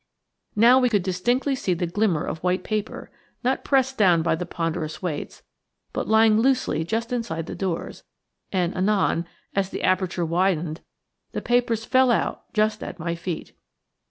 Now we could distinctly see the glimmer of white paper–not pressed down by the ponderous weights, but lying loosely just inside the doors; and anon, as the aperture widened, the papers fell out just at my feet.